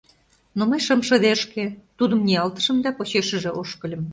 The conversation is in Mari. Но мый шым шыдешке, тудым ниялтышым да почешыже ошкыльым.